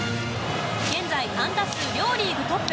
現在、安打数両リーグトップ。